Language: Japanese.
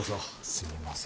すみません。